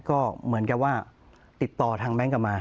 ก็เหมือนกับว่าติดต่อทางแบงค์กลับมา